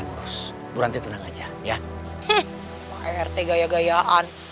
ngurus berhenti tenang aja ya rt gaya gayaan